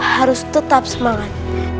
harus tetap semangat